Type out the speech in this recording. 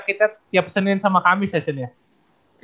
kita tiap senin sama kamis ya